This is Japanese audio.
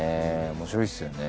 面白いですよね。